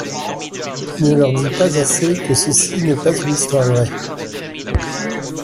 Tu ne leur dis pas assez que ceci n’est pas une histoire vraie.